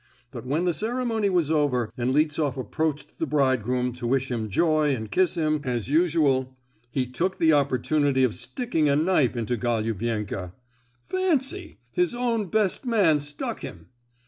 But when the ceremony was all over, and Liftsoff approached the bridegroom to wish him joy and kiss him, as usual, he took the opportunity of sticking a knife into Golubenko. Fancy! his own best man stuck him!